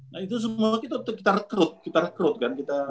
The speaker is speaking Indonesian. nah itu semua kita rekrut kita rekrut kan